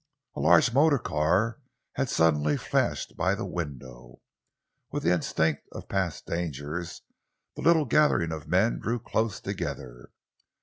A large motor car had suddenly flashed by the window. With the instinct of past dangers, the little gathering of men drew close together.